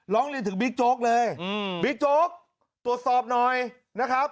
ร้องเรียนถึงบิ๊กโจ๊กเลยบิ๊กโจ๊กตรวจสอบหน่อยนะครับ